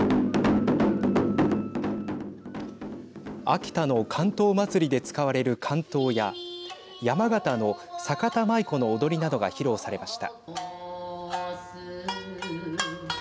秋田の竿燈まつりで使われる竿燈や山形の酒田舞娘の踊りなどが披露されました。